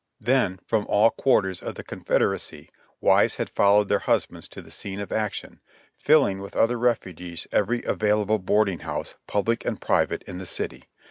Then from all quarters of the Confederacy wives had followed their husbands to the scene of action, filling with other refugees every available boarding house, public and private, in the city.